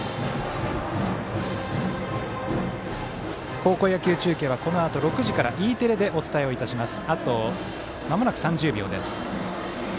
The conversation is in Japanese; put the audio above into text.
高校野球中継はこのあと６時からＥテレでお伝えします。